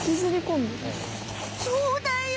そうだよ！